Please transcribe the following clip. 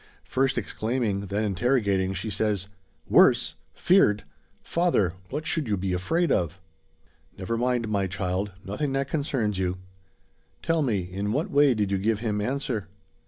First exclaiming, then interrogating, she says: "Worse! Feared! Father, what should you be afraid of?" "Never mind, my child; nothing that concerns you. Tell me: in what way did you give him answer?"